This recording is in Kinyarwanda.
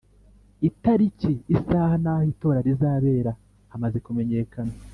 Itariki isaha n’ aho itora rizabera hamaze kumenyekana